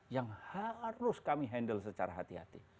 yang harus kami handle secara hati hati